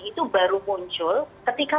itu baru muncul ketika